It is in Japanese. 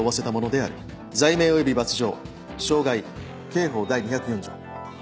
罪名および罰条傷害刑法第２０４条。